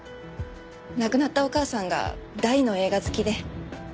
亡くなったお母さんが大の映画好きで。